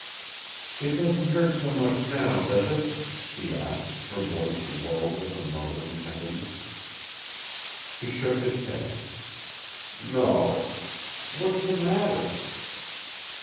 "It doesn't hurt so much now, does it?" she asked, her voice low with a mothering tenderness. He shook his head. "No. What is the matter?"